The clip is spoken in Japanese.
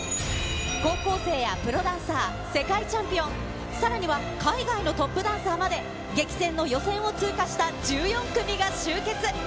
高校生やプロダンサー、世界チャンピオン、さらには海外のトップダンサーまで、激戦の予選を通過した１４組が集結。